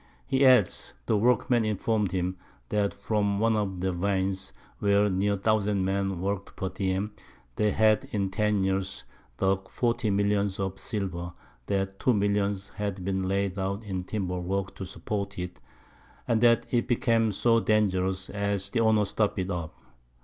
He adds, the Workmen inform'd him, that from one of the Veins, where near 1000 Men work'd per diem, they had in 10 Years Dug 40 Millions of Silver, that 2 Millions had been laid out in Timber work to support it, and that it became so dangerous, as the Owner stop'd it up.